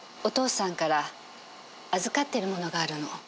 お父さんから預かってるものがあるの。